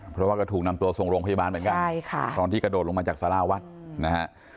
เพราะว่าก็ถูกนำตัวส่งโรงพยาบาลเหมือนกันใช่ค่ะตอนที่กระโดดลงมาจากสาราวัดนะฮะ